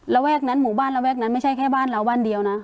ระแวกนั้นหมู่บ้านระแวกนั้นไม่ใช่แค่บ้านเราบ้านเดียวนะ